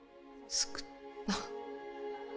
救った。